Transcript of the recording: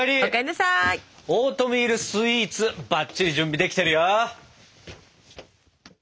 オートミールスイーツバッチリ準備できてるよ！